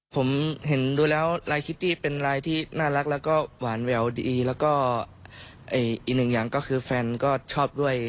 ผมเห็นดูแล้วลายคิตตี้เป็นลายที่น่ารักแล้วก็หวานแหววดีแล้วก็อีกหนึ่งอย่างก็คือแฟนก็ชอบด้วย